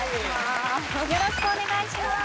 よろしくお願いします。